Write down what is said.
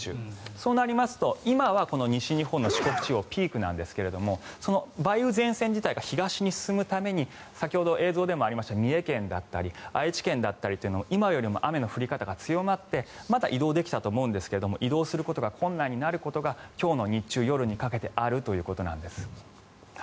そうなりますと今は西日本の四国地方ピークなんですが梅雨前線自体が東に進むために先ほど、映像でもありました三重県だったり愛知県だったりというのも今よりも雨の降り方が強まってまだ移動できたと思うんですが移動することが困難になることが今日の日中、夜にかけてあるということなんです。